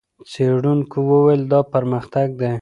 څېړونکو وویل، دا پرمختګ دی.